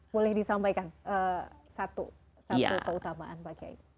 boleh disampaikan satu keutamaan pak kiai